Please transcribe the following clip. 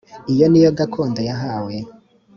iyo ni yo gakondo yahawe